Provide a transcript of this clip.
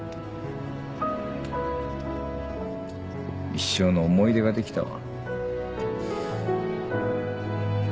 一生の思い出ができたわ。